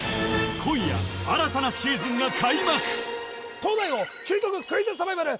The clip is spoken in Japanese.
今夜新たなシーズンが開幕東大王究極クイズサバイバル！